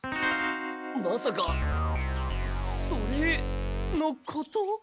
まさかそれのこと？